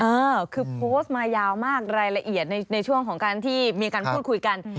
เออคือโพสต์มายาวมากรายละเอียดในช่วงของการที่มีการพูดคุยกัน